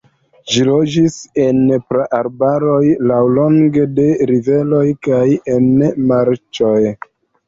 Ĝi loĝis en praarbaroj laŭlonge de riveroj kaj en marĉoj.